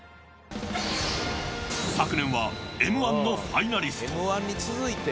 昨年はＭ−１のファイナリスト。